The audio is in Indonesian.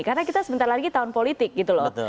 karena kita sebentar lagi tahun politik gitu loh